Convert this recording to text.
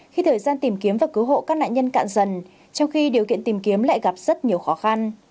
khi thời gian tìm kiếm và cứu hộ các nạn nhân cạn dần trong khi điều kiện tìm kiếm lại gặp rất nhiều khó khăn